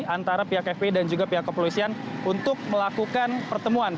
antara pihak fpi dan juga pihak kepolisian untuk melakukan pertemuan